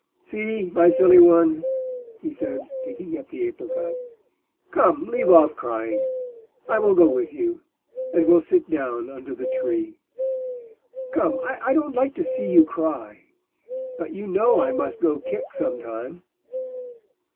"See, my silly one," he said, picking up the apricots. "Come, leave off crying, I will go with you, and we'll sit down under the tree. Come, I don't like to see you cry; but you know I must go back some time."